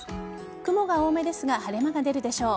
雲が多めですが晴れ間が出るでしょう。